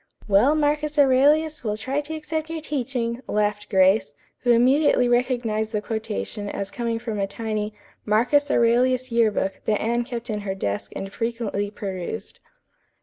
'" "Well, Marcus Aurelius, we'll try to accept your teaching," laughed Grace, who immediately recognized the quotation as coming from a tiny "Marcus Aurelius Year Book" that Anne kept in her desk and frequently perused.